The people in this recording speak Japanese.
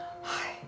はい。